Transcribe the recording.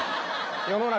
世の中。